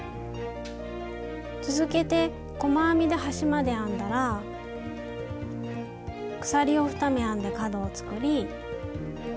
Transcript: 続けて細編みで端まで編んだら鎖を２目編んで角を作り。